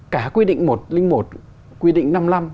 cả quy định một trăm linh một quy định năm mươi năm